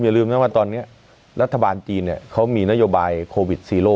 ลืมนะว่าตอนนี้รัฐบาลจีนเนี่ยเขามีนโยบายโควิดซีโร่